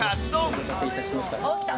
お待たせいたしました。